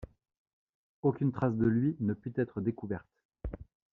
Aucune trace de lui ne put être découverte.